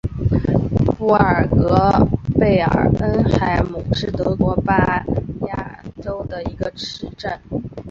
布尔格贝尔恩海姆是德国巴伐利亚州的一个市镇。